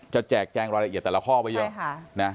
แจกแจงรายละเอียดแต่ละข้อไว้เยอะนะ